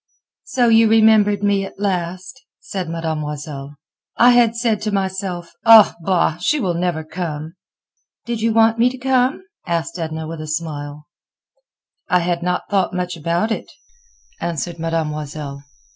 "So you remembered me at last," said Mademoiselle. "I had said to myself, 'Ah, bah! she will never come.'" "Did you want me to come?" asked Edna with a smile. "I had not thought much about it," answered Mademoiselle.